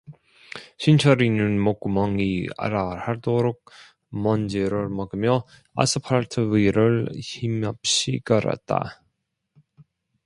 신철이는 목구멍이 알알하도록 먼지를 먹으며 아스팔트 위를 힘없이 걸었다.